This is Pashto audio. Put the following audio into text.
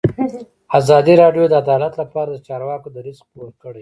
ازادي راډیو د عدالت لپاره د چارواکو دریځ خپور کړی.